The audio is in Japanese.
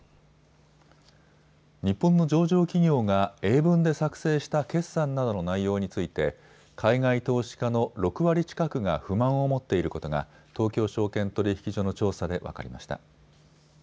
日本の上場企業が英文で作成した決算などの内容について海外投資家の６割近くが不満を持っていることが東京証券取引所の調査で分かりました。